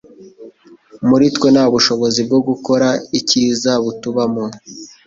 Muri twe nta bushobozi bwo gukora icyiza butubamo;